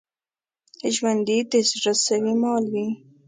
ژوندي د زړه سوي مثال وي